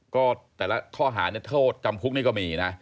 ก็แต่ละข้อหาเนี่ยโทษจำคุกนี่ก็มีนะ